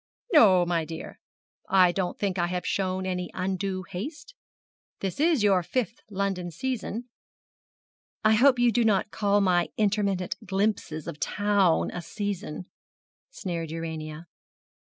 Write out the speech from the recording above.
'No, my dear; I don't think I have shown any undue haste. This is your fifth London season.' I hope you do not call my intermittent glimpses of town a season,' sneered Urania.